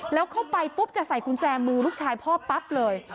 แล้วเข้าไปปุ๊บจะใส่กุญแจมือลูกชายพ่อปั๊บเลย